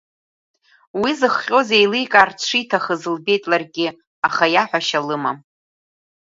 Уи зыхҟьоз еиликаарц шиҭахыз лбеит ларгьы, аха иаҳәашьа лымам.